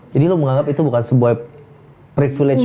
jadi lo menganggap itu bukan sebuah privilege